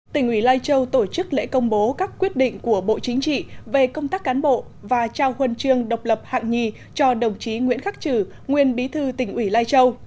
tỉnh ủy lai châu tổ chức lễ công bố các quyết định của bộ chính trị về công tác cán bộ và trao huân chương độc lập hạng nhì cho đồng chí nguyễn khắc trừ nguyên bí thư tỉnh ủy lai châu